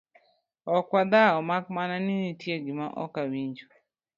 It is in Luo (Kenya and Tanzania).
ok wadhao mak mana ni nitie gima ok awinji